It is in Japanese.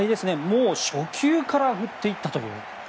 もう、初球から振っていったという。